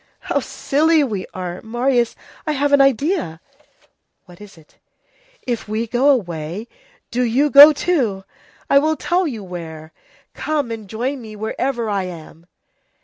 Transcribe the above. "How silly we are! Marius, I have an idea." "What is it?" "If we go away, do you go too! I will tell you where! Come and join me wherever I am."